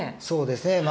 そうですね。